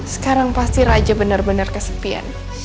sekarang pasti raja bener bener kesepian